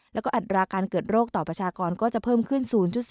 แล้วก็อัตราการเกิดโรคต่อประชากรก็จะเพิ่มขึ้น๐๔